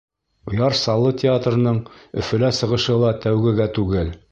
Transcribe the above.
Яр Саллы театрының Өфөлә сығышы ла тәүгегә түгел.